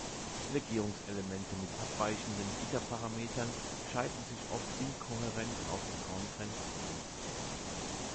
Legierungselemente mit abweichenden Gitterparametern scheiden sich oft inkohärent auf den Korngrenzen aus.